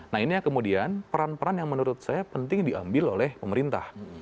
nah ini yang kemudian peran peran yang menurut saya penting diambil oleh pemerintah